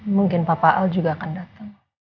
mungkin papa al juga akan datang